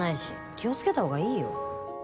気をつけた方がいいよ